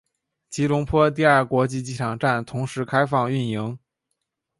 吉隆坡第二国际机场站同时开放运营。